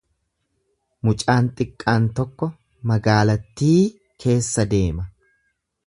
Mucaan xiqqaan tokko magaalattii keessa deema.